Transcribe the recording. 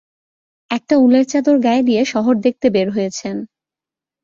একটা উলের চাদর গায়ে দিয়ে শহর দেখতে বের হয়েছেন!